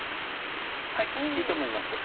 はいいいと思います。